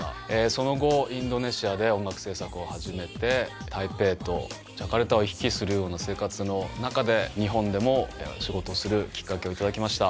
その後インドネシアで音楽制作を始めて台北とジャカルタを行き来するような生活の中で日本でも仕事をするきっかけをいただきました。